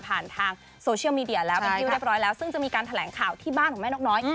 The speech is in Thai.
ทางโซเชียลมีเดียแล้วเป็นที่เรียบร้อยแล้วซึ่งจะมีการแถลงข่าวที่บ้านของแม่นกน้อย